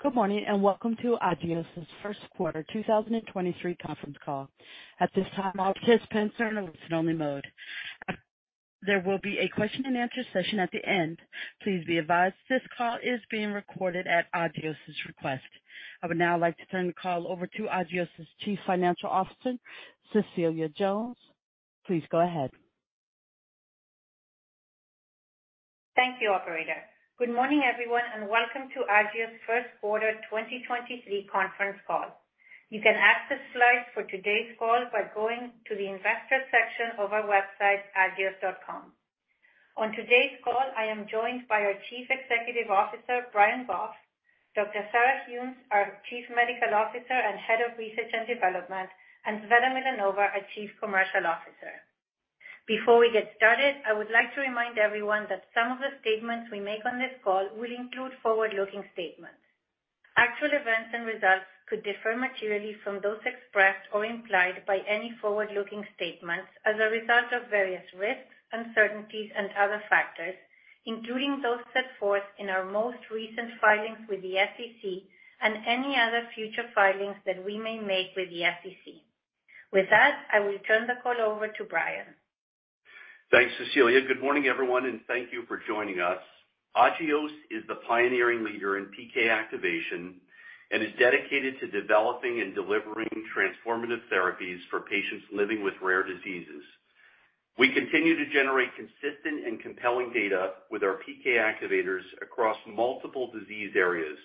Good morning, welcome to Agios's First Quarter 2023 Conference Call. At this time, all participants are in a listen-only mode. There will be a question and answer session at the end. Please be advised this call is being recorded at Agios's request. I would now like to turn the call over to Agios's Chief Financial Officer, Cecilia Jones. Please go ahead. Thank you, Vera. Good morning, everyone, and welcome to Agios first quarter 2023 conference call. You can access slides for today's call by going to the investor section of our website, agios.com. On today's call, I am joined by our Chief Executive Officer, Brian Goff, Dr. Sarah Gheuens, our Chief Medical Officer and Head of Research and Development, and Tsveta Milanova, our Chief Commercial Officer. Before we get started, I would like to remind everyone that some of the statements we make on this call will include forward-looking statements. Actual events and results could differ materially from those expressed or implied by any forward-looking statements as a result of various risks, uncertainties and other factors, including those set forth in our most recent filings with the SEC and any other future filings that we may make with the SEC. With that, I will turn the call over to Brian. Thanks, Cecilia. Good morning, everyone, and thank you for joining us. Agios is the pioneering leader in PK activation and is dedicated to developing and delivering transformative therapies for patients living with rare diseases. We continue to generate consistent and compelling data with our PK activators across multiple disease areas,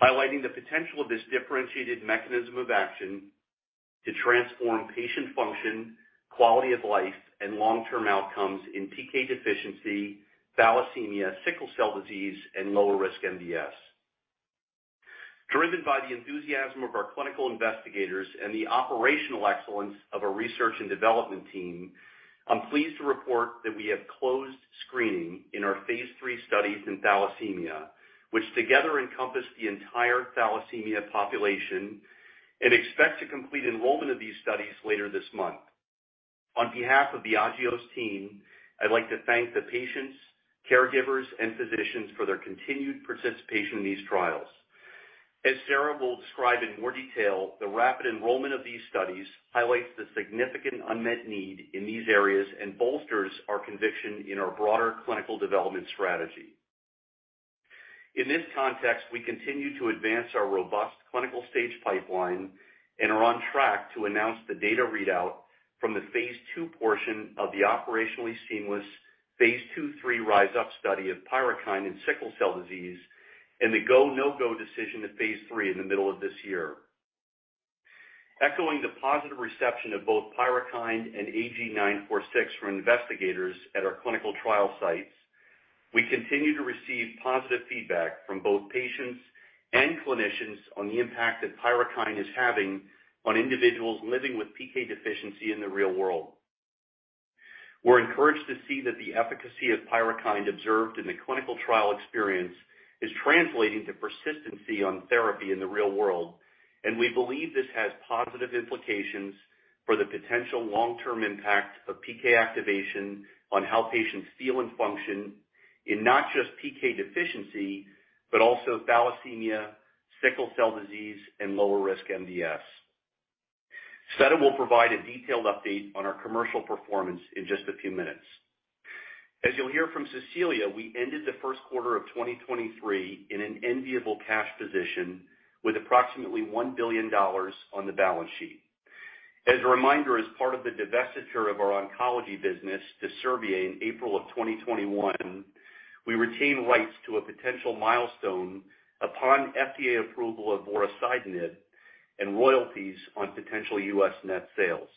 highlighting the potential of this differentiated mechanism of action to transform patient function, quality of life, and long-term outcomes in PK deficiency, thalassemia, sickle cell disease, and lower risk MDS. Driven by the enthusiasm of our clinical investigators and the operational excellence of our research and development team, I'm pleased to report that we have closed screening in our phase III studies in thalassemia, which together encompass the entire thalassemia population and expect to complete enrollment of these studies later this month. On behalf of the Agios team, I'd like to thank the patients, caregivers, and physicians for their continued participation in these trials. As Sarah will describe in more detail, the rapid enrollment of these studies highlights the significant unmet need in these areas and bolsters our conviction in our broader clinical development strategy. In this context, we continue to advance our robust clinical stage pipeline and are on track to announce the data readout from the phase II portion of the operationally seamless phase II, III RISE UP study of PYRUKYND in sickle cell disease and the go, no-go decision to phase III in the middle of this year. Echoing the positive reception of both PYRUKYND and AG-946 from investigators at our clinical trial sites, we continue to receive positive feedback from both patients and clinicians on the impact that PYRUKYND is having on individuals living with PK deficiency in the real world. We're encouraged to see that the efficacy of PYRUKYND observed in the clinical trial experience is translating to persistency on therapy in the real world, and we believe this has positive implications for the potential long-term impact of PK activation on how patients feel and function in not just PK deficiency, but also thalassemia, sickle cell disease, and lower risk MDS. Tsveta will provide a detailed update on our commercial performance in just a few minutes. As you'll hear from Cecilia, we ended the first quarter of 2023 in an enviable cash position with approximately $1 billion on the balance sheet. As a reminder, as part of the divestiture of our oncology business to Servier in April of 2021, we retained rights to a potential milestone upon FDA approval of vorasidenib and royalties on potential US net sales.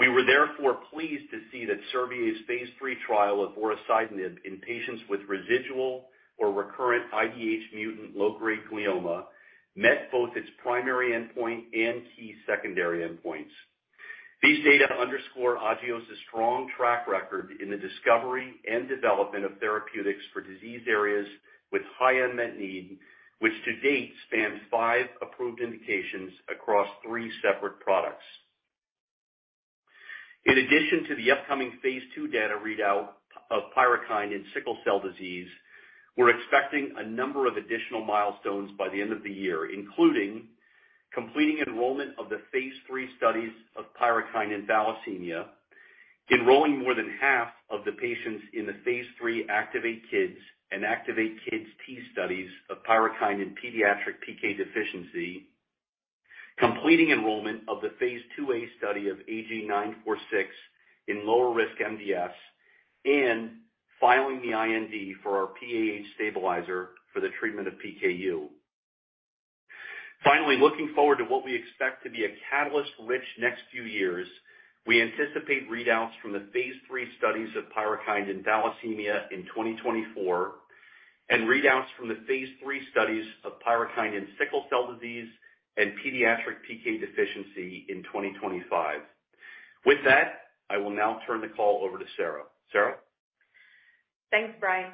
We were therefore pleased to see that Servier's phase III trial of vorasidenib in patients with residual or recurrent IDH-mutant low-grade glioma met both its primary endpoint and key secondary endpoints. These data underscore Agios' strong track record in the discovery and development of therapeutics for disease areas with high unmet need, which to date spans five approved indications across three separate products. In addition to the upcoming phase II data readout of PYRUKYND in sickle cell disease, we're expecting a number of additional milestones by the end of the year, including completing enrollment of the phase III studies of PYRUKYND in thalassemia, enrolling more than half of the patients in the phase III ACTIVATE-Kids and ACTIVATE-KidsT studies of PYRUKYND in pediatric PK deficiency, completing enrollment of the phase II-A study of AG-946 in lower risk MDS, and filing the IND for our PAH stabilizer for the treatment of PKU. Finally, looking forward to what we expect to be a catalyst-rich next few years, we anticipate readouts from the phase III studies of PYRUKYND in thalassemia in 2024 and readouts from the phase III studies of PYRUKYND in sickle cell disease and pediatric PK deficiency in 2025. With that, I will now turn the call over to Sarah. Sarah? Thanks, Brian.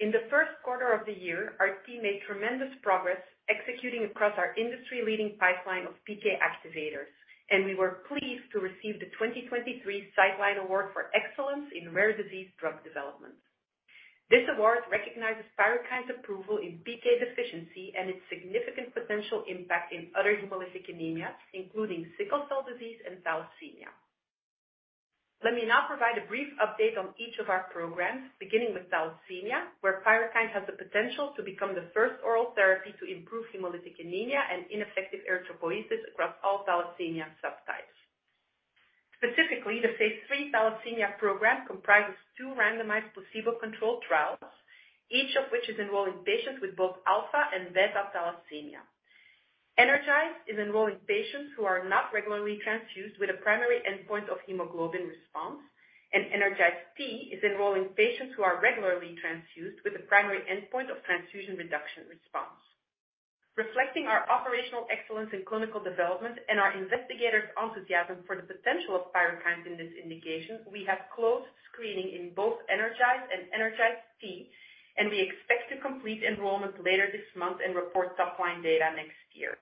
In the first quarter of the year, our team made tremendous progress executing across our industry-leading pipeline of PK activators. We were pleased to receive the 2023 Citeline Award for Excellence in Rare Disease Drug Development. This award recognizes PYRUKYND's approval in PK deficiency and its significant potential impact in other hemolytic anemias, including sickle cell disease and thalassemia. Let me now provide a brief update on each of our programs, beginning with thalassemia, where PYRUKYND has the potential to become the first oral therapy to improve hemolytic anemia and ineffective erythropoiesis across all thalassemia subtypes. Specifically, the phase III thalassemia program comprises two randomized placebo-controlled trials, each of which is enrolling patients with both alpha-thalassemia and beta thalassemia. ENERGIZE is enrolling patients who are not regularly transfused with a primary endpoint of hemoglobin response. ENERGIZE-T is enrolling patients who are regularly transfused with a primary endpoint of transfusion reduction response. Reflecting our operational excellence in clinical development and our investigators' enthusiasm for the potential of PYRUKYND in this indication, we have closed screening in both ENERGIZE and ENERGIZE-T, and we expect to complete enrollment later this month and report top-line data next year.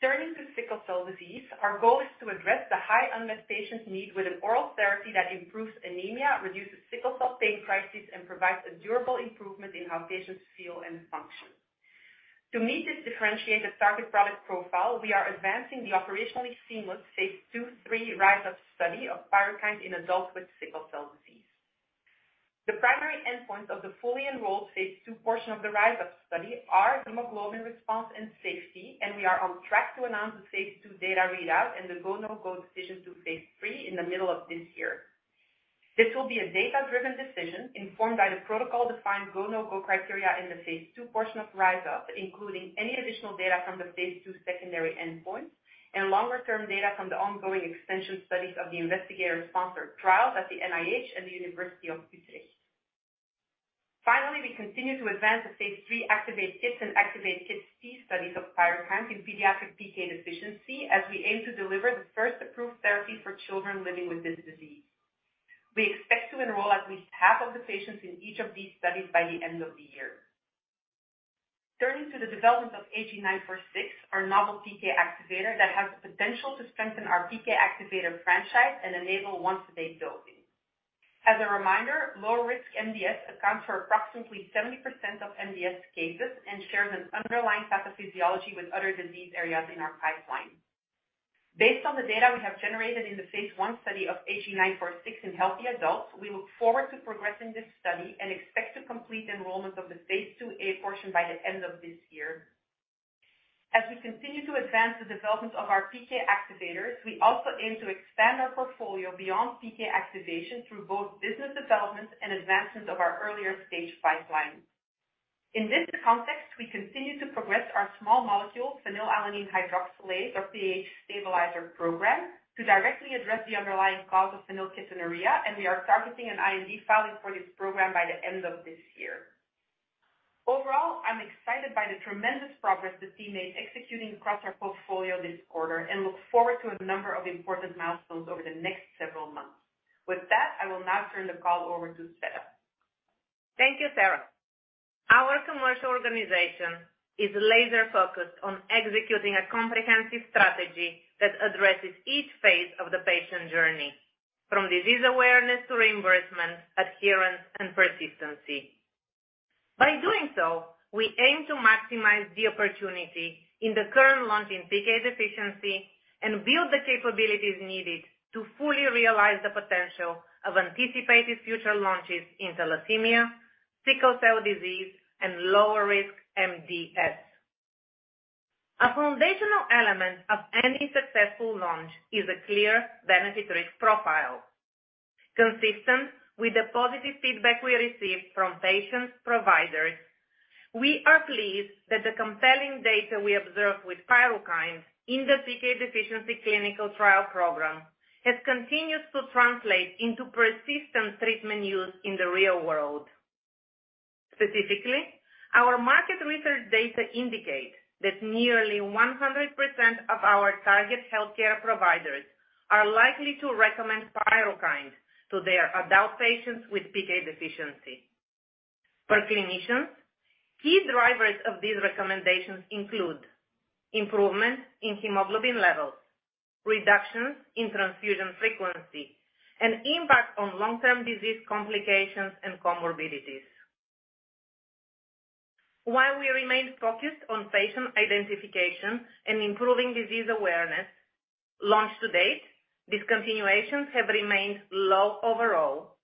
Turning to sickle cell disease, our goal is to address the high unmet patient need with an oral therapy that improves anemia, reduces sickle cell pain crises, and provides a durable improvement in how patients feel and function. To meet this differentiated target product profile, we are advancing the operationally seamless phase II, III RISE UP study of PYRUKYND in adults with sickle cell disease. The primary endpoint of the fully enrolled phase II portion of the RISE UP study are hemoglobin response and safety, and we are on track to announce the phase II data readout and the go/no-go decision to phase III in the middle of this year. This will be a data-driven decision informed by the protocol-defined go/no-go criteria in the phase II portion of RISE UP, including any additional data from the phase II secondary endpoint and longer-term data from the ongoing extension studies of the investigator-sponsored trials at the NIH and Utrecht University. Finally, we continue to advance the phase III ACTIVATE-Kids and ACTIVATE-KidsT studies of PYRUKYND in pediatric PK deficiency as we aim to deliver the first approved therapy for children living with this disease. We expect to enroll at least half of the patients in each of these studies by the end of the year. Turning to the development of AG-946, our novel PK activator that has the potential to strengthen our PK activator franchise and enable once-a-day dosing. As a reminder, lower risk MDS accounts for approximately 70% of MDS cases and shares an underlying pathophysiology with other disease areas in our pipeline. Based on the data we have generated in the phase I study of AG-946 in healthy adults, we look forward to progressing this study and expect to complete enrollment of the phase II-A portion by the end of this year. As we continue to advance the development of our PK activators, we also aim to expand our portfolio beyond PK activation through both business development and advancement of our earlier-stage pipeline. In this context, we continue to progress our small molecule, phenylalanine hydroxylase or PAH stabilizer program, to directly address the underlying cause of phenylketonuria. We are targeting an IND filing for this program by the end of this year. Overall, I'm excited by the tremendous progress the team made executing across our portfolio this quarter and look forward to a number of important milestones over the next several months. With that, I will now turn the call over to Tsveta. Thank you, Sarah. Our commercial organization is laser-focused on executing a comprehensive strategy that addresses each phase of the patient journey, from disease awareness to reimbursement, adherence, and persistency. By doing so, we aim to maximize the opportunity in the current launch in PK deficiency and build the capabilities needed to fully realize the potential of anticipated future launches in thalassemia, sickle cell disease, and lower risk MDS. A foundational element of any successful launch is a clear benefit/risk profile. Consistent with the positive feedback we received from patients, providers, we are pleased that the compelling data we observed with PYRUKYND in the PK deficiency clinical trial program has continued to translate into persistent treatment use in the real world. Specifically, our market research data indicate that nearly 100% of our target healthcare providers are likely to recommend PYRUKYND to their adult patients with PK deficiency. For clinicians, key drivers of these recommendations include improvement in hemoglobin levels, reductions in transfusion frequency, and impact on long-term disease complications and comorbidities. While we remain focused on patient identification and improving disease awareness, launch to date, discontinuations have remained low overall.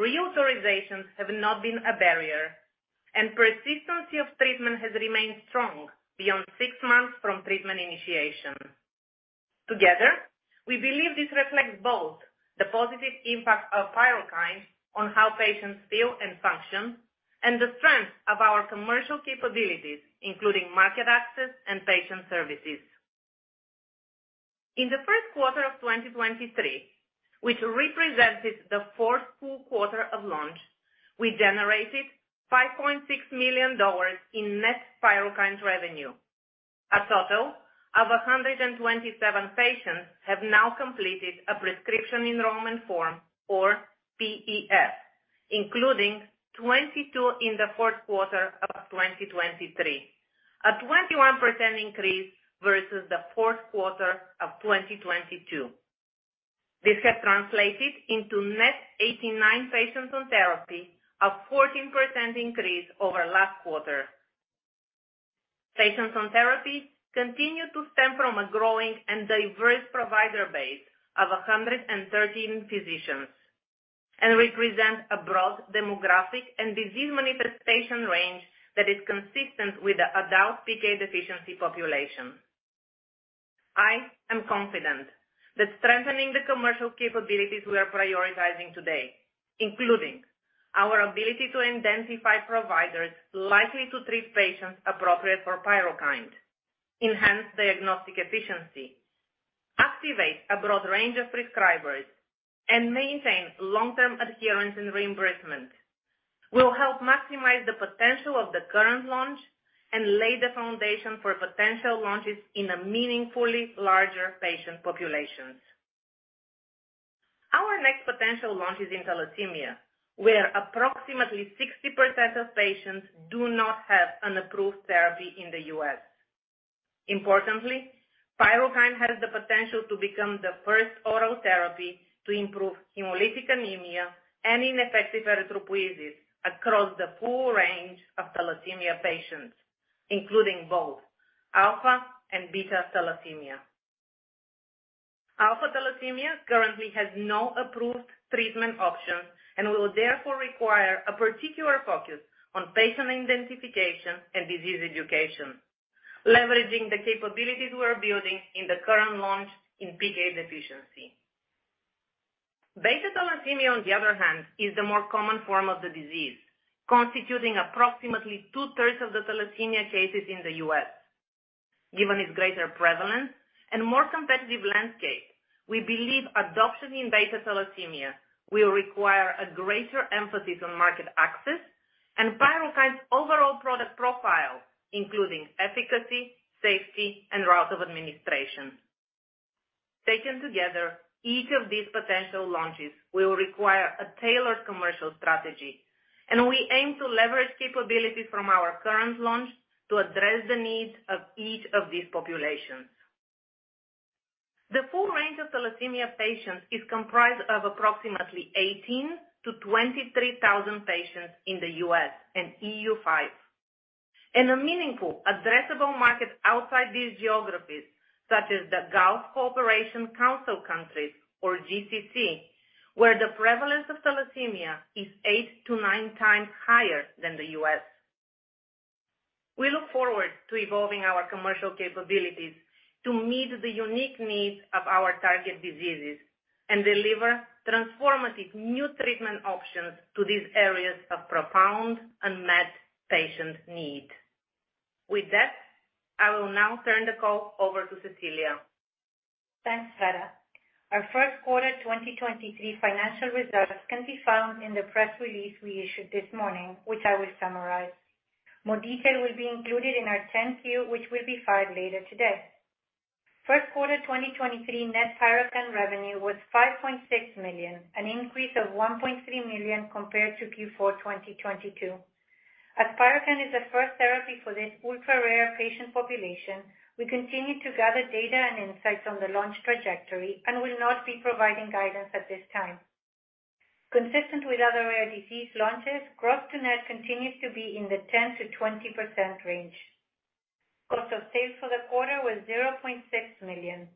Reauthorizations have not been a barrier, persistency of treatment has remained strong beyond six months from treatment initiation. Together, we believe this reflects both the positive impact of PYRUKYND on how patients feel and function and the strength of our commercial capabilities, including market access and patient services. In the first quarter of 2023, which represented the fourth full quarter of launch, we generated $5.6 million in net PYRUKYND revenue. A total of 127 patients have now completed a prescription enrollment form or PEF, including 22 in the fourth quarter of 2023. A 21% increase versus the fourth quarter of 2022. This has translated into net 89 patients on therapy, a 14% increase over last quarter. Patients on therapy continue to stem from a growing and diverse provider base of 113 physicians and represent a broad demographic and disease manifestation range that is consistent with the adult PK deficiency population. I am confident that strengthening the commercial capabilities we are prioritizing today, including our ability to identify providers likely to treat patients appropriate for PYRUKYND, enhance diagnostic efficiency, activate a broad range of prescribers, and maintain long-term adherence and reimbursement, will help maximize the potential of the current launch and lay the foundation for potential launches in a meaningfully larger patient populations. Our next potential launch is in thalassemia, where approximately 60% of patients do not have an approved therapy in the U.S. Importantly, PYRUKYND has the potential to become the first oral therapy to improve hemolytic anemia and ineffective erythropoiesis across the full range of thalassemia patients, including both alpha-thalassemia and beta thalassemia. Alpha-thalassemia currently has no approved treatment options and will therefore require a particular focus on patient identification and disease education, leveraging the capabilities we're building in the current launch in PK deficiency. Beta thalassemia, on the other hand, is the more common form of the disease, constituting approximately two-thirds of the thalassemia cases in the U.S. Given its greater prevalence and more competitive landscape, we believe adoption in beta thalassemia will require a greater emphasis on market access and PYRUKYND's overall product profile, including efficacy, safety, and route of administration. Taken together, each of these potential launches will require a tailored commercial strategy, and we aim to leverage capabilities from our current launch to address the needs of each of these populations. The full range of thalassemia patients is comprised of approximately 18,000-23,000 patients in the U.S. and EU Five, and a meaningful addressable market outside these geographies, such as the Gulf Cooperation Council countries, or GCC, where the prevalence of thalassemia is eight to 9x higher than the U.S. We look forward to evolving our commercial capabilities to meet the unique needs of our target diseases and deliver transformative new treatment options to these areas of profound unmet patient need. With that, I will now turn the call over to Cecilia. Thanks, Tsveta. Our first quarter 2023 financial results can be found in the press release we issued this morning, which I will summarize. More detail will be included in our 10-Q, which will be filed later today. First quarter 2023 net PYRUKYND revenue was $5.6 million, an increase of $1.3 million compared to Q4 2022. As PYRUKYND is the first therapy for this ultra-rare patient population, we continue to gather data and insights on the launch trajectory and will not be providing guidance at this time. Consistent with other rare disease launches, gross to net continues to be in the 10%-20% range. Cost of sales for the quarter was $0.6 million.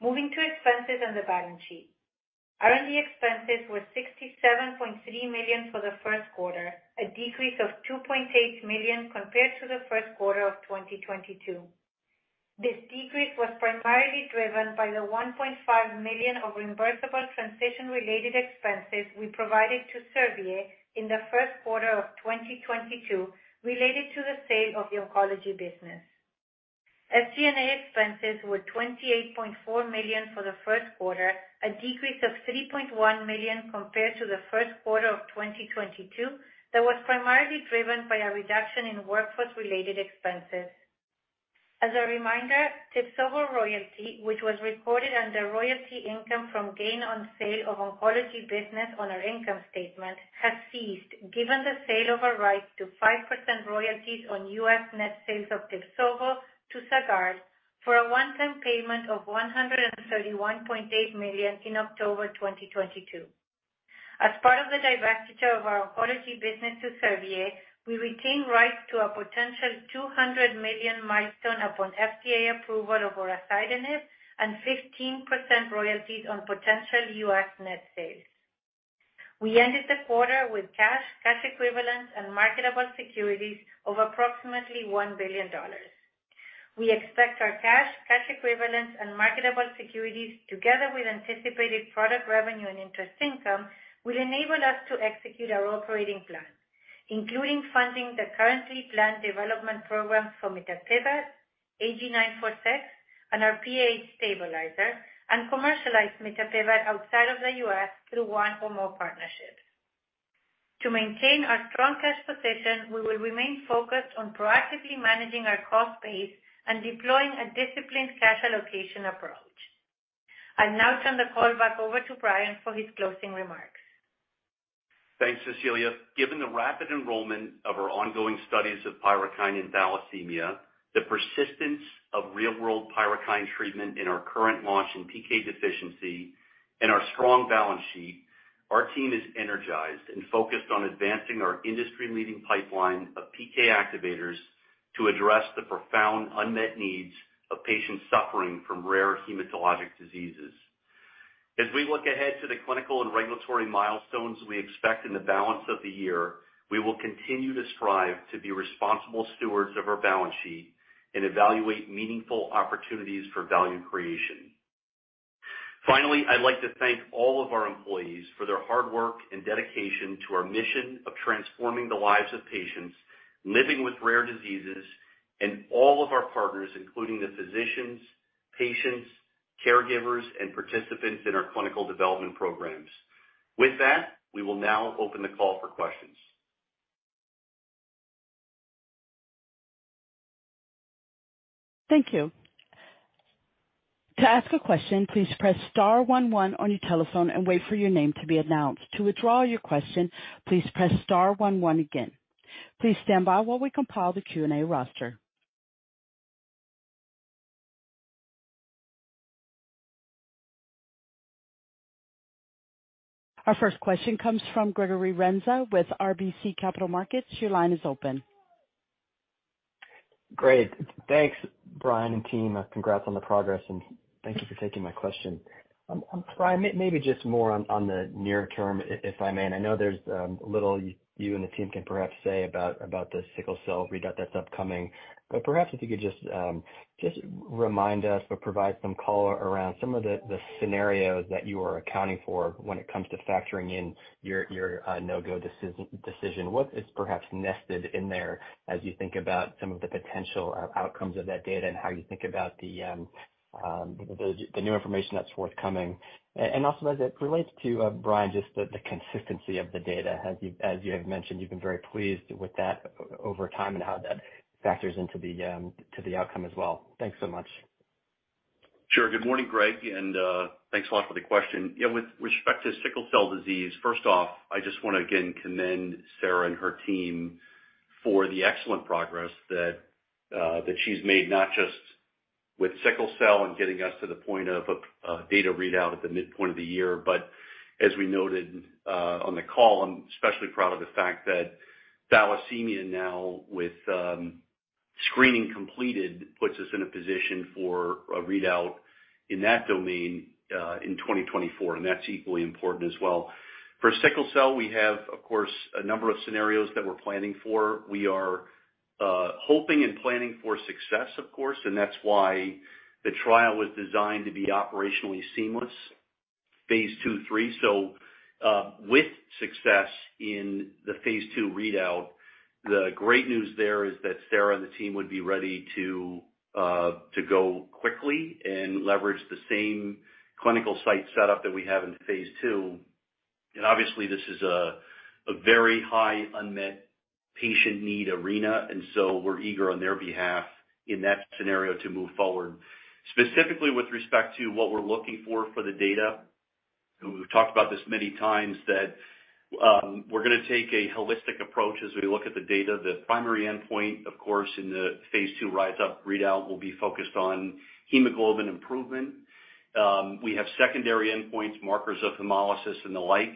Moving to expenses on the balance sheet. R&D expenses were $67.3 million for the first quarter, a decrease of $2.8 million compared to the first quarter of 2022. This decrease was primarily driven by the $1.5 million of reimbursable transition-related expenses we provided to Servier in the first quarter of 2022 related to the sale of the oncology business. SG&A expenses were $28.4 million for the first quarter, a decrease of $3.1 million compared to the first quarter of 2022 that was primarily driven by a reduction in workforce-related expenses. As a reminder, TIBSOVO royalty, which was recorded under royalty income from gain on sale of oncology business on our income statement, has ceased given the sale of our right to 5% royalties on U.S. net sales of TIBSOVO to Sagard for a one-time payment of $131.8 million in October 2022. As part of the divestiture of our oncology business to Servier, we retain rights to a potential $200 million milestone upon FDA approval of vorasidenib and 15% royalties on potential U.S. net sales. We ended the quarter with cash equivalents, and marketable securities of approximately $1 billion. We expect our cash equivalents, and marketable securities, together with anticipated product revenue and interest income, will enable us to execute our operating plan, including funding the currently planned development programs for mitapivat, AG-946, and our PAH stabilizer, and commercialize mitapivat outside of the U.S. through one or more partnerships. To maintain our strong cash position, we will remain focused on proactively managing our cost base and deploying a disciplined cash allocation approach. I'll now turn the call back over to Brian for his closing remarks. Thanks, Cecilia. Given the rapid enrollment of our ongoing studies of PYRUKYND and thalassemia, the persistence of real-world PYRUKYND treatment in our current launch in PK deficiency, and our strong balance sheet, our team is energized and focused on advancing our industry-leading pipeline of PK activators to address the profound unmet needs of patients suffering from rare hematologic diseases. As we look ahead to the clinical and regulatory milestones we expect in the balance of the year, we will continue to strive to be responsible stewards of our balance sheet and evaluate meaningful opportunities for value creation. Finally, I'd like to thank all of our employees for their hard work and dedication to our mission of transforming the lives of patients living with rare diseases, and all of our partners, including the physicians, patients, caregivers, and participants in our clinical development programs. With that, we will now open the call for questions. Thank you. To ask a question, please press star one one on your telephone and wait for your name to be announced. To withdraw your question, please press star one one again. Please stand by while we compile the Q&A roster. Our first question comes from Gregory Renza with RBC Capital Markets. Your line is open. Great. Thanks, Brian and team. Congrats on the progress. Thank you for taking my question. Brian, maybe just more on the near term, if I may. I know there's little you and the team can perhaps say about the sickle cell readout that's upcoming. Perhaps if you could just remind us or provide some color around some of the scenarios that you are accounting for when it comes to factoring in your no-go decision. What is perhaps nested in there as you think about some of the potential outcomes of that data and how you think about the new information that's forthcoming? Also as it relates to Brian, just the consistency of the data. As you have mentioned, you've been very pleased with that over time and how that factors to the outcome as well. Thanks so much. Sure. Good morning, Greg, and thanks a lot for the question. You know, with respect to sickle cell disease, first off, I just wanna again commend Sarah and her team for the excellent progress that she's made, not just with sickle cell and getting us to the point of a data readout at the midpoint of the year. As we noted on the call, I'm especially proud of the fact that thalassemia now with screening completed, puts us in a position for a readout in that domain in 2024, and that's equally important as well. For sickle cell, we have, of course, a number of scenarios that we're planning for. We are hoping and planning for success, of course, and that's why the trial was designed to be operationally seamless, phase II, III. With success in the phase II readout, the great news there is that Sarah and the team would be ready to go quickly and leverage the same clinical site setup that we have in phase II. Obviously, this is a very high unmet patient need arena, we're eager on their behalf in that scenario to move forward. Specifically, with respect to what we're looking for for the data, and we've talked about this many times, that, we're gonna take a holistic approach as we look at the data. The primary endpoint, of course, in the phase II RISE UP readout will be focused on hemoglobin improvement. We have secondary endpoints, markers of hemolysis and the like.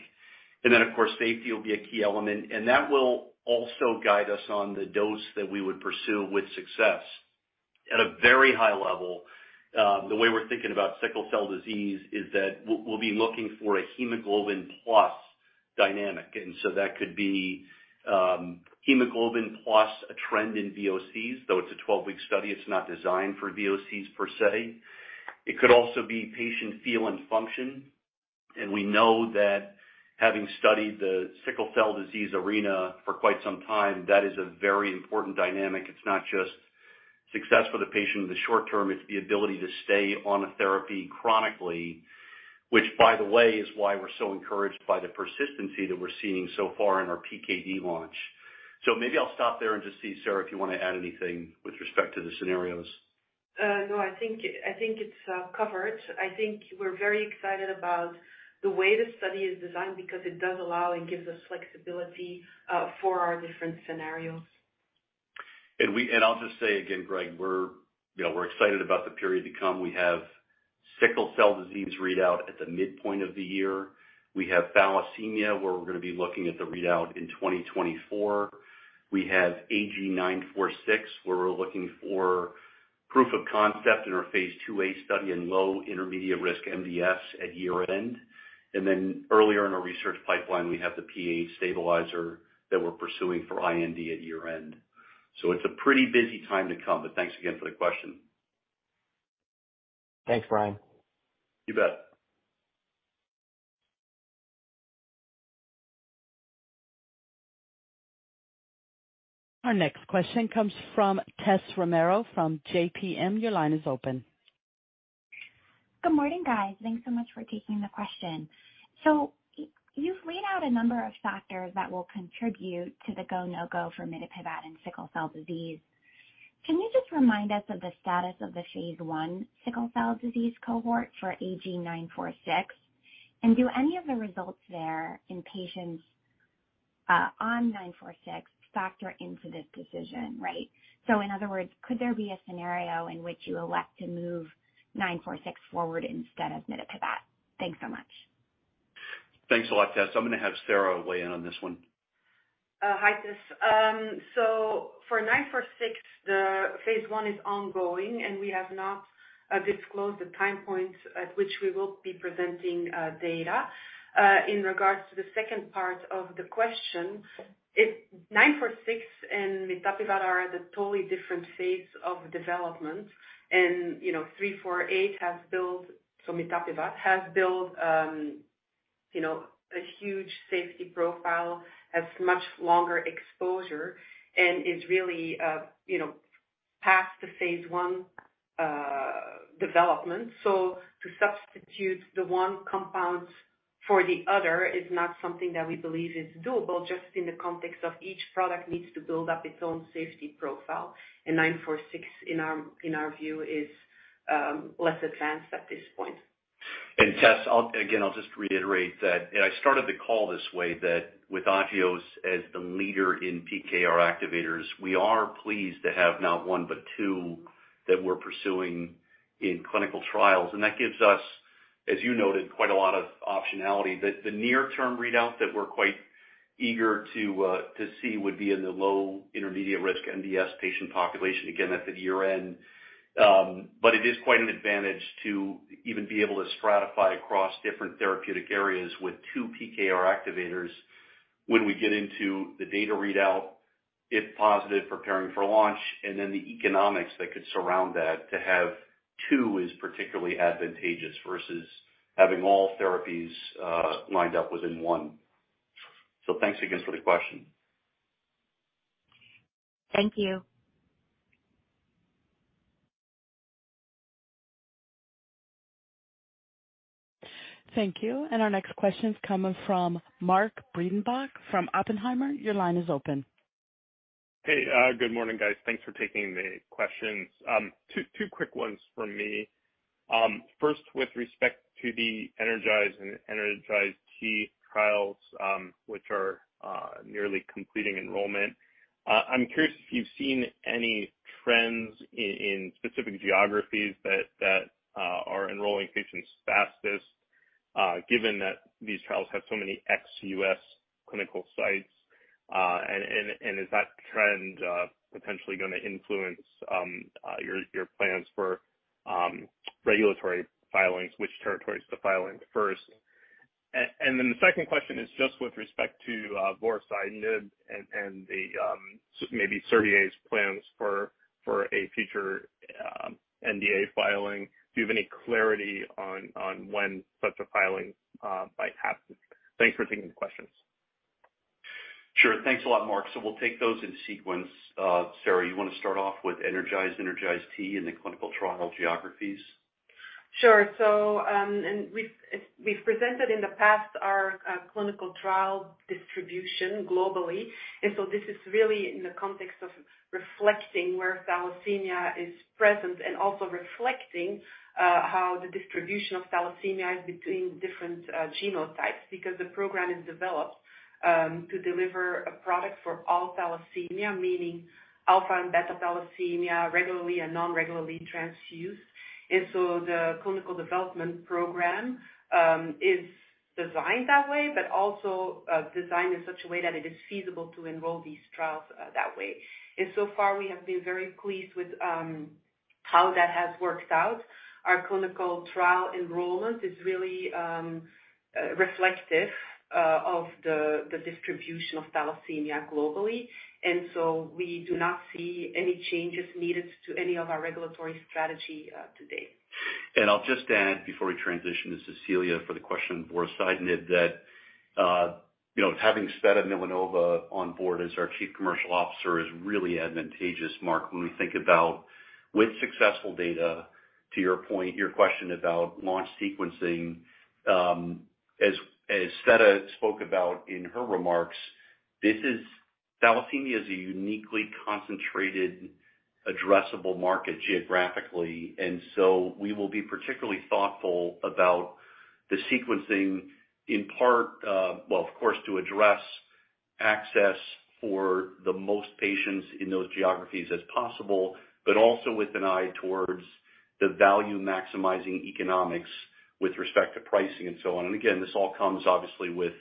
Of course, safety will be a key element, and that will also guide us on the dose that we would pursue with success. At a very high level, the way we're thinking about sickle cell disease is that we'll be looking for a hemoglobin plus dynamic. That could be hemoglobin plus a trend in VOCs, though it's a 12-week study, it's not designed for VOCs per se. It could also be patient feel and function. We know that having studied the sickle cell disease arena for quite some time, that is a very important dynamic. It's not just success for the patient in the short term, it's the ability to stay on a therapy chronically, which, by the way, is why we're so encouraged by the persistency that we're seeing so far in our PKD launch. Maybe I'll stop there and just see, Sarah, if you wanna add anything with respect to the scenarios. No, I think it's covered. I think we're very excited about the way the study is designed because it does allow and gives us flexibility for our different scenarios. I'll just say again, Greg, we're, you know, we're excited about the period to come. We have sickle cell disease readout at the midpoint of the year. We have thalassemia, where we're gonna be looking at the readout in 2024. We have AG-946, where we're looking for proof of concept in our phase II-A study in low-intermediate risk MDS at year-end. Earlier in our research pipeline, we have the PAH stabilizer that we're pursuing for IND at year-end. It's a pretty busy time to come, but thanks again for the question. Thanks, Brian. You bet. Our next question comes from Tess Romero from JPM. Your line is open. Good morning, guys. Thanks so much for taking the question. You've laid out a number of factors that will contribute to the go, no-go for mitapivat in sickle cell disease. Can you just remind us of the status of the phase I sickle cell disease cohort for AG-946? Do any of the results there in patients on AG-946 factor into this decision, right? In other words, could there be a scenario in which you elect to move AG-946 forward instead of mitapivat? Thanks so much. Thanks a lot, Tess. I'm gonna have Sarah weigh in on this one. Hi, Tess. For AG-946, the phase I is ongoing, and we have not disclosed the time points at which we will be presenting data. In regards to the second part of the question, AG-946 and mitapivat are at a totally different phase of development. You know, AG-348 has built, so mitapivat has built, you know, a huge safety profile, has much longer exposure and is really, you know, past the phase I development. To substitute the one compound for the other is not something that we believe is doable just in the context of each product needs to build up its own safety profile. AG-946, in our view is less advanced at this point. Tess, I'll again just reiterate that, and I started the call this way, that with Agios as the leader in PKR activators, we are pleased to have not one, but two that we're pursuing in clinical trials. That gives us, as you noted, quite a lot of optionality. The near term readout that we're quite eager to see would be in the low intermediate risk MDS patient population again at the year-end. It is quite an advantage to even be able to stratify across different therapeutic areas with two PKR activators when we get into the data readout, if positive, preparing for launch and then the economics that could surround that to have two is particularly advantageous versus having all therapies lined up within one. Thanks again for the question. Thank you. Thank you. Our next question is coming from Mark Breidenbach from Oppenheimer. Your line is open. Hey, good morning, guys. Thanks for taking the questions. Two quick ones from me. First, with respect to the ENERGIZE and ENERGIZE-T trials, which are nearly completing enrollment, I'm curious if you've seen any trends in specific geographies that are enrolling patients fastest, given that these trials have so many ex-US clinical sites, and is that trend potentially gonna influence your plans for regulatory filings, which territories to file in first? The second question is just with respect to vorasidenib and the maybe Servier's plans for a future NDA filing. Do you have any clarity on when such a filing might happen? Thanks for taking the questions. Sure. Thanks a lot, Mark. We'll take those in sequence. Sarah, you wanna start off with ENERGIZE-T and the clinical trial geographies? Sure. We've presented in the past our clinical trial distribution globally. This is really in the context of reflecting where thalassemia is present and also reflecting how the distribution of thalassemia is between different genotypes because the program is developed to deliver a product for all thalassemia, meaning alpha and beta thalassemia regularly and non-regularly transfused. The clinical development program is designed that way, but also designed in such a way that it is feasible to enroll these trials that way. So far we have been very pleased with how that has worked out. Our clinical trial enrollment is really reflective of the distribution of thalassemia globally, and so we do not see any changes needed to any of our regulatory strategy to date. I'll just add before we transition to Cecilia for the question vorasidenib that, you know, having Tsveta Milanova on board as our Chief Commercial Officer is really advantageous, Mark, when we think about with successful data, to your point, your question about launch sequencing. As Sveta spoke about in her remarks, thalassemia is a uniquely concentrated addressable market geographically. We will be particularly thoughtful about the sequencing in part, well, of course, to address access for the most patients in those geographies as possible, but also with an eye towards the value maximizing economics with respect to pricing and so on. Again, this all comes obviously with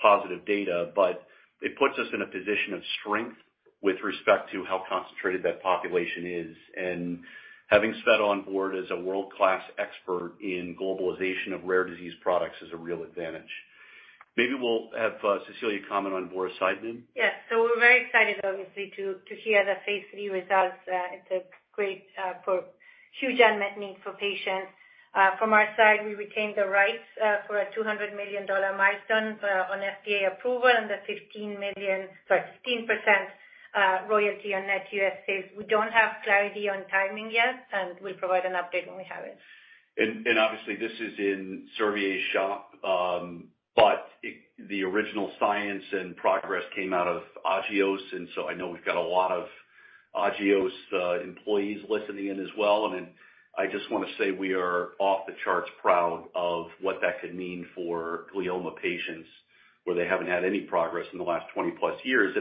positive data, but it puts us in a position of strength with respect to how concentrated that population is. Having Tsveta on board as a world-class expert in globalization of rare disease products is a real advantage. Maybe we'll have Cecilia comment on vorasidenib. Yes. We're very excited obviously to hear the phase III results. It's a great for huge unmet need for patients. From our side, we retain the rights for a $200 million milestone on FDA approval and the $15 million, sorry, 15% royalty on net U.S. sales. We don't have clarity on timing yet. We'll provide an update when we have it. Obviously this is in Servier's shop, but the original science and progress came out of Agios, so I know we've got a lot of Agios employees listening in as well. I just wanna say we are off the charts proud of what that could mean for glioma patients where they haven't had any progress in the last 20-plus years.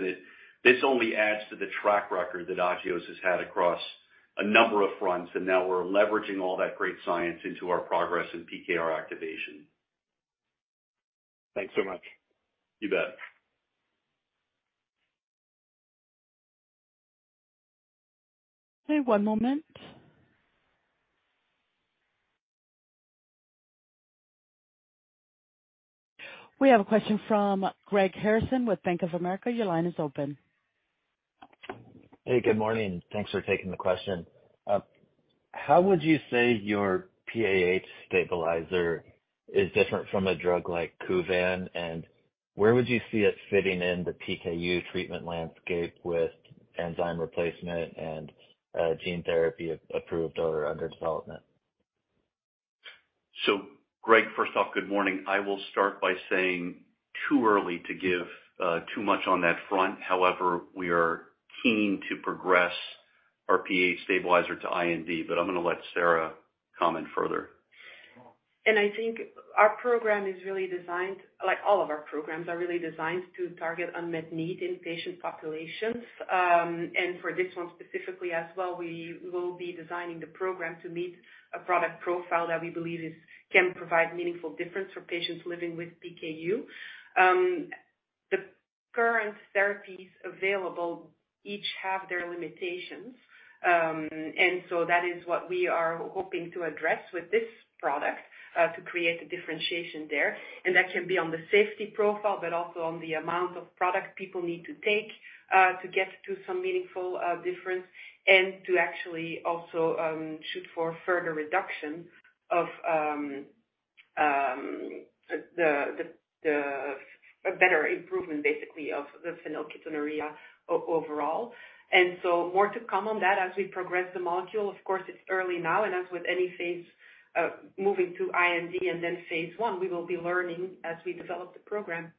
This only adds to the track record that Agios has had across a number of fronts, and now we're leveraging all that great science into our progress in PKR activation. Thanks so much. You bet. Okay, one moment. We have a question from Greg Harrison with Bank of America. Your line is open. Hey, good morning. Thanks for taking the question. How would you say your PAH stabilizer is different from a drug like Kuvan? Where would you see it fitting in the PKU treatment landscape with enzyme replacement and gene therapy approved or under development? Greg, first off, good morning. I will start by saying too early to give too much on that front. We are keen to progress our PAH stabilizer to IND, but I'm gonna let Sarah comment further. I think our program is really designed, like all of our programs, are really designed to target unmet need in patient populations. For this one specifically as well, we will be designing the program to meet a product profile that we believe is, can provide meaningful difference for patients living with PKU. The current therapies available each have their limitations. That is what we are hoping to address with this product, to create a differentiation there. That can be on the safety profile, but also on the amount of product people need to take, to get to some meaningful difference and to actually also shoot for further reduction of a better improvement basically of the phenylketonuria overall. More to come on that as we progress the molecule. Of course, it's early now, and as with any phase, moving to IND and then phase I, we will be learning as we develop the program.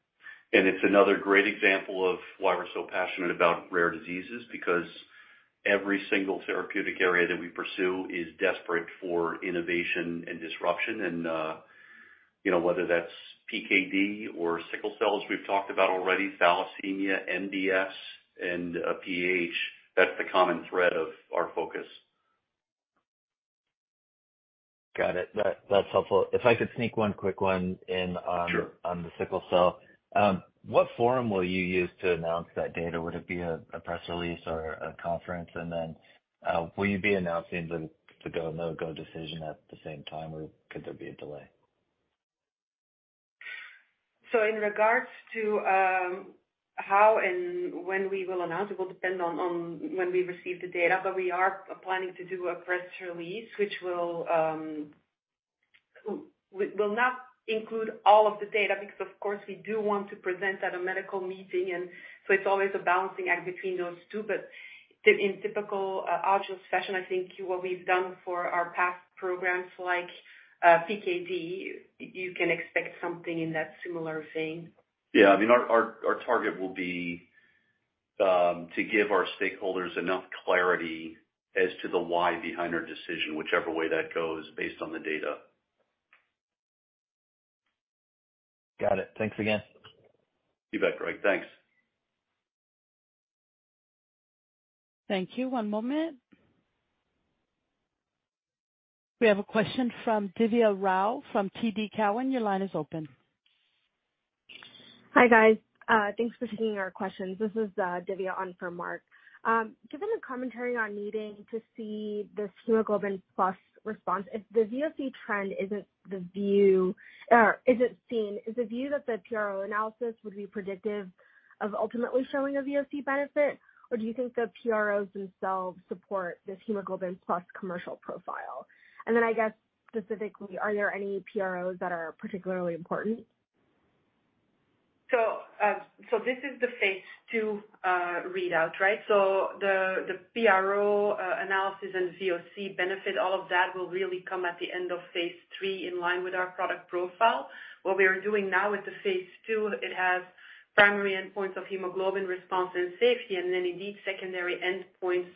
It's another great example of why we're so passionate about rare diseases, because every single therapeutic area that we pursue is desperate for innovation and disruption and, you know, whether that's PKD or sickle cells we've talked about already, thalassemia, MDS and PAH, that's the common thread of our focus. Got it. That's helpful. If I could sneak one quick one in on- Sure. On the sickle cell. What forum will you use to announce that data? Would it be a press release or a conference? Will you be announcing the go/no-go decision at the same time, or could there be a delay? In regards to how and when we will announce, it will depend on when we receive the data, but we are planning to do a press release which will not include all of the data because of course we do want to present at a medical meeting. It's always a balancing act between those two. In typical Agios fashion, I think what we've done for our past programs like PKD, you can expect something in that similar vein. Yeah. I mean, our target will be to give our stakeholders enough clarity as to the why behind our decision, whichever way that goes based on the data. Got it. Thanks again. You bet, Greg. Thanks. Thank you. One moment. We have a question from Divya Rao from TD Cowen. Your line is open. Hi, guys. Thanks for taking our questions. This is Divya on for Mark. Given the commentary on needing to see this hemoglobin plus response, if the VOC trend isn't the view or isn't seen, is the view that the PRO analysis would be predictive of ultimately showing a VOC benefit, or do you think the PROs themselves support this hemoglobin plus commercial profile? I guess specifically, are there any PROs that are particularly important? This is the phase II readout, right? The PRO analysis and VOC benefit, all of that will really come at the end of phase III in line with our product profile. What we are doing now with the phase II, it has primary endpoints of hemoglobin response and safety, and then indeed secondary endpoints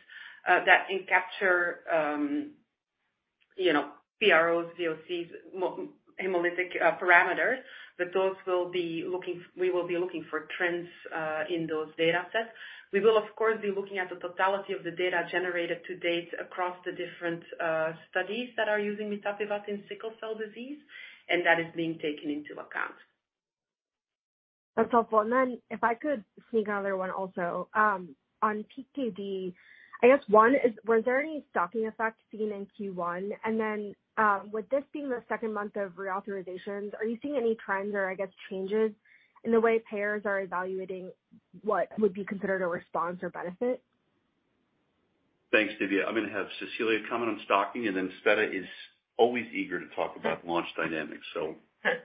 that encapture, you know, PROs, VOCs, hemolytic parameters. Those we will be looking for trends in those datasets. We will of course, be looking at the totality of the data generated to date across the different studies that are using mitapivat in sickle cell disease, and that is being taken into account. That's helpful. If I could sneak another one also. On PKD, I guess one, was there any stocking effect seen in Q1? With this being the second month of reauthorizations, are you seeing any trends or I guess changes in the way payers are evaluating what would be considered a response or benefit? Thanks, Divya. I'm gonna have Cecilia comment on stocking. Sveta is always eager to talk about launch dynamics.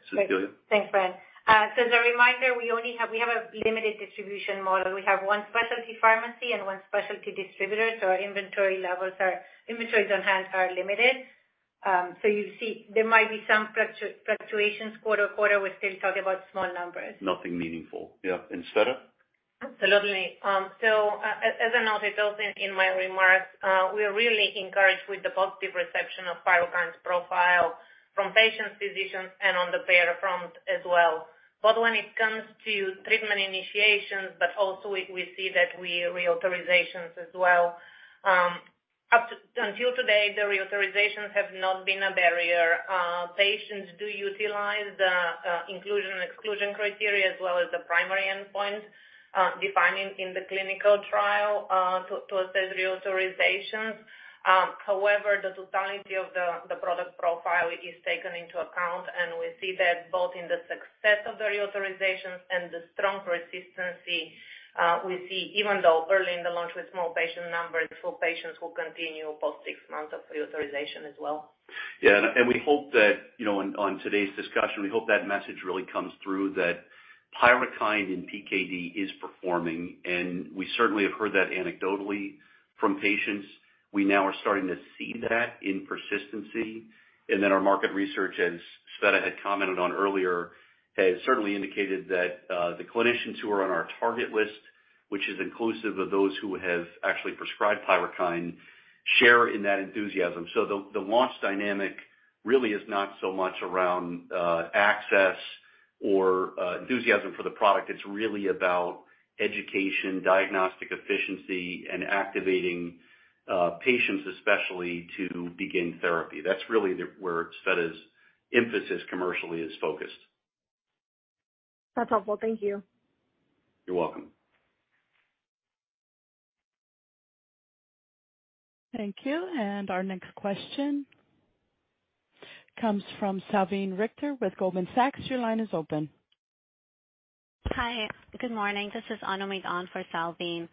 Cecilia. Thanks, Brad. As a reminder, we have a limited distribution model. We have one specialty pharmacy and one specialty distributor. Our inventories on hand are limited. You see there might be some fluctuations quarter-to-quarter. We're still talking about small numbers. Nothing meaningful. Yeah. Tsveta? Absolutely. As I noted also in my remarks, we are really encouraged with the positive reception of PYRUKYND's profile from patients, physicians, and on the payer front as well. When it comes to treatment initiations, but also we see that reauthorizations as well. Until today, the reauthorizations have not been a barrier. Patients do utilize the inclusion/exclusion criteria as well as the primary endpoint defining in the clinical trial to assess reauthorizations. However, the totality of the product profile is taken into account, and we see that both in the success of the reauthorizations and the strong persistency, we see, even though early in the launch with small patient numbers, so patients will continue post six months of reauthorization as well. We hope that, you know, on today's discussion, we hope that message really comes through that PYRUKYND in PKD is performing, and we certainly have heard that anecdotally from patients. We now are starting to see that in persistency. Our market research, as Sveta had commented on earlier, has certainly indicated that the clinicians who are on our target list, which is inclusive of those who have actually prescribed PYRUKYND, share in that enthusiasm. The launch dynamic really is not so much around access or enthusiasm for the product. It's really about education, diagnostic efficiency, and activating patients especially to begin therapy. That's really the where Sveta's emphasis commercially is focused. That's helpful. Thank you. You're welcome. Thank you. Our next question comes from Salveen Richter with Goldman Sachs. Your line is open. Hi. Good morning. This is Anu Midha for Salveen.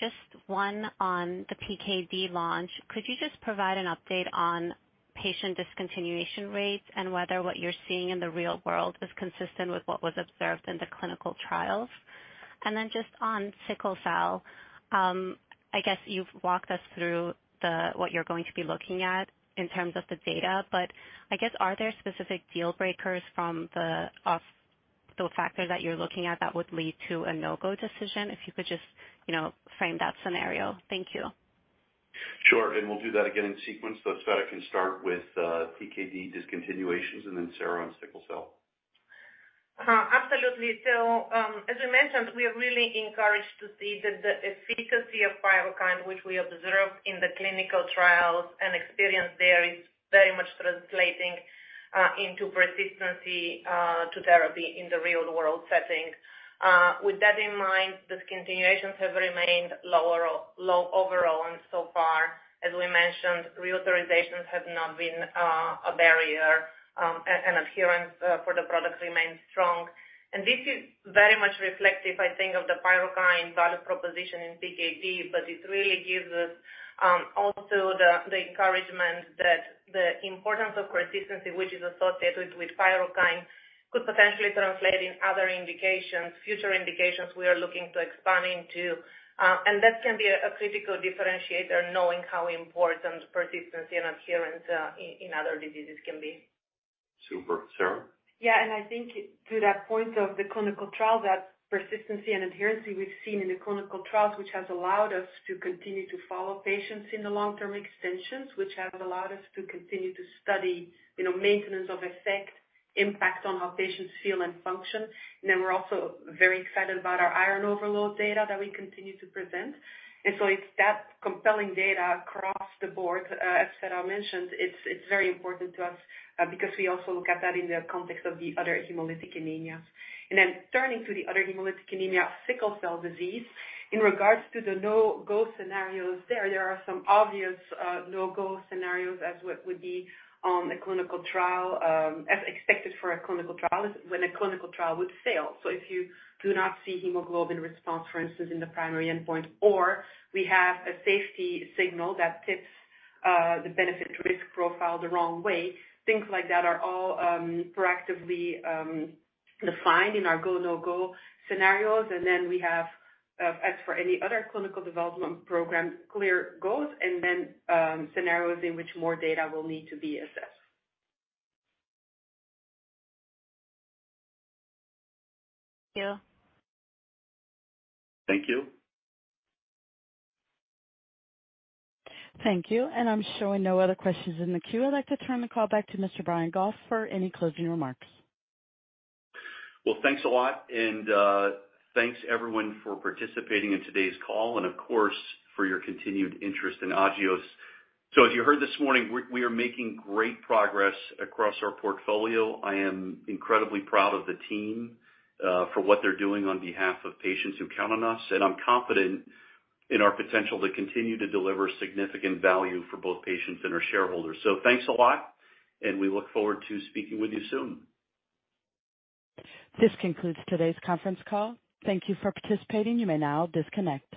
Just one on the PKD launch. Could you just provide an update on patient discontinuation rates and whether what you're seeing in the real world is consistent with what was observed in the clinical trials? Then just on sickle cell, I guess you've walked us through what you're going to be looking at in terms of the data, but I guess, are there specific deal breakers from the factor that you're looking at that would lead to a no-go decision? If you could just, you know, frame that scenario. Thank you. Sure. We'll do that again in sequence. Sveta can start with PKD discontinuations and then Sarah on sickle cell. Absolutely. As we mentioned, we are really encouraged to see that the efficacy of PYRUKYND, which we observed in the clinical trials and experience there, is very much translating into persistency to therapy in the real-world setting. With that in mind, discontinuations have remained lower overall and so far. As we mentioned, reauthorizations have not been a barrier, and adherence for the product remains strong. This is very much reflective, I think, of the PYRUKYND value proposition in PKD, but it really gives us also the encouragement that the importance of persistency, which is associated with PYRUKYND, could potentially translate in other indications, future indications we are looking to expand into. That can be a critical differentiator, knowing how important persistency and adherence in other diseases can be. Super. Sarah? Yeah, I think to that point of the clinical trial, that persistency and adherence we've seen in the clinical trials, which has allowed us to continue to follow patients in the long-term extensions, which has allowed us to continue to study, you know, maintenance of effect, impact on how patients feel and function. We're also very excited about our iron overload data that we continue to present. It's that compelling data across the board, as Sveta mentioned, it's very important to us, because we also look at that in the context of the other hemolytic anemias. Turning to the other hemolytic anemia, sickle cell disease. In regards to the no-go scenarios there are some obvious, no-go scenarios as what would be on the clinical trial, as expected for a clinical trial, is when a clinical trial would fail. If you do not see hemoglobin response, for instance, in the primary endpoint, or we have a safety signal that tips the benefit to risk profile the wrong way, things like that are all proactively defined in our go, no-go scenarios. We have as for any other clinical development program, clear goals and then scenarios in which more data will need to be assessed. Thank you. Thank you. Thank you. I'm showing no other questions in the queue. I'd like to turn the call back to Mr. Brian Goff for any closing remarks. Thanks a lot, thanks everyone for participating in today's call and of course for your continued interest in Agios. As you heard this morning, we are making great progress across our portfolio. I am incredibly proud of the team for what they're doing on behalf of patients who count on us, I'm confident in our potential to continue to deliver significant value for both patients and our shareholders. Thanks a lot, we look forward to speaking with you soon. This concludes today's conference call. Thank you for participating. You may now disconnect.